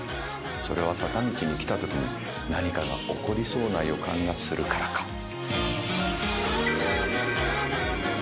それは坂道に来たときに何かが起こりそうな予感がするからかも。